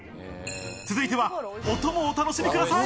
続いては、音もお楽しみください！